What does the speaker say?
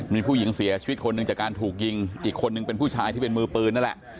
มีผู้หญิงเสียชีวิตคนหนึ่งจากการถูกยิงอีกคนนึงเป็นผู้ชายที่เป็นมือปืนนั่นแหละ